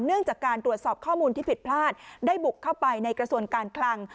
เนื่องจากการตรวจสอบข้อมูลที่ผิดพลาดได้บุกเข้าไปในกระทรวงการคลัง